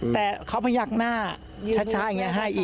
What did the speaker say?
แต่เขาพยักหน้าช้าอย่างนี้ให้